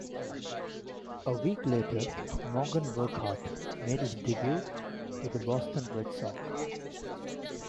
A week later Morgan Burkhart made his debut with the Boston Red Sox.